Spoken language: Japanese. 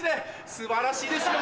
素晴らしいですよ。